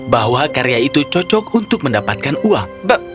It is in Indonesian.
bahwa karya itu cocok untuk mendapatkan uang